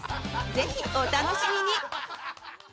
ぜひ、お楽しみに！